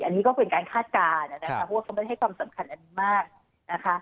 อันนี้ก็เป็นการคาดการณ์นะคะเพราะว่าเขาไม่ได้ให้ความสำคัญอันนี้มากนะคะ